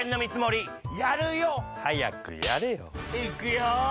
いっくよ！